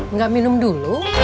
nggak minum dulu